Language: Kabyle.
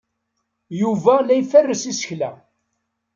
Yuba la iferres isekla.